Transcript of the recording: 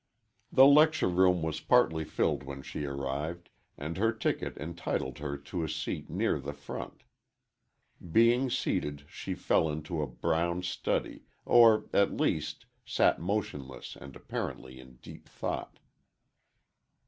The lecture room was partly filled when she arrived, and her ticket entitled her to a seat near the front. Being seated, she fell into a brown study, or, at least, sat motionless and apparently in deep thought.